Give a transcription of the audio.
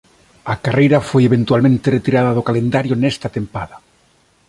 A carreira foi eventualmente retirada do calendario nesta tempada.